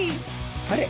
あれ？